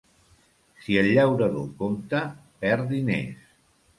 Si el llaurador compta, perd diners.